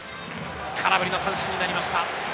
空振りの三振になりました。